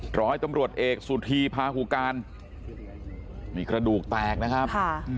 เพราะให้ตำรวจเอกสุธีพาหกุการมีกระดูกแตกนะครับ